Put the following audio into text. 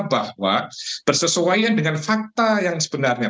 bahwa bersesuaian dengan fakta yang sebenarnya